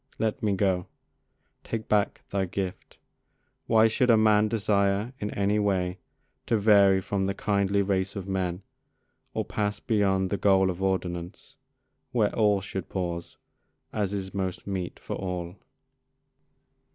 Let me go: take back thy gift: Why should a man desire in any way To vary from the kindly race of men, Or pass beyond the goal of ordinance Where all should pause, as is most meet for all?